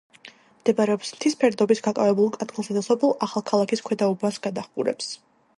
მდებარეობს მთის ფერდობის გავაკებულ ადგილზე და სოფელ ახალქალაქის ქვედა უბანს გადაჰყურებს.